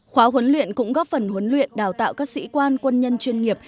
khóa huấn luyện cũng góp phần huấn luyện đào tạo các sĩ quan quân nhân chuyên nghiệp